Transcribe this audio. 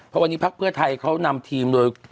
เพราะวันนี้พักเพื่อไทยเขานำทีมโดย